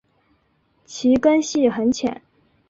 其根系很浅。